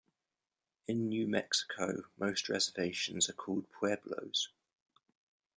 In New Mexico, most reservations are called Pueblos.